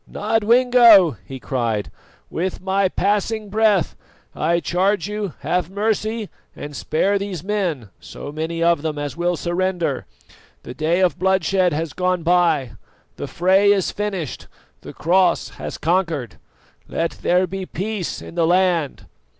"Nodwengo," he cried, "with my passing breath I charge you have mercy and spare these men, so many of them as will surrender. The day of bloodshed has gone by, the fray is finished, the Cross has conquered. Let there be peace in the land."